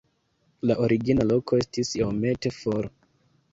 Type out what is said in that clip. La origina loko estis iomete for.